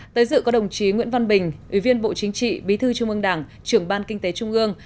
tới dự có đồng chí nguyễn văn bình ủy viên bộ chính trị bí thư trung ương đảng trưởng ban kinh tế trung ương